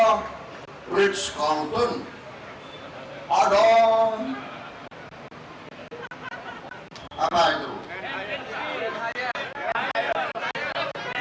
ada ritz carlton ada apa itu